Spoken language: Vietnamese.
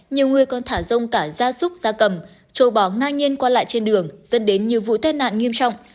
nhiều người còn thả rông cả da súc da cầm trâu bó ngang nhiên qua lại trên đường dân đến nhiều vụ tên nạn nghiêm trọng